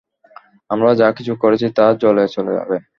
আমরা যা কিছু করেছি তা জলে চলে যাবে।